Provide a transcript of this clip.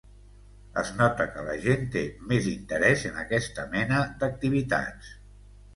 Es nota que la gent té més interès en aquesta mena d’activitats.